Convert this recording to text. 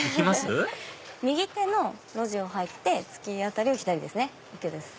右手の路地を入って突き当たりを左ですね。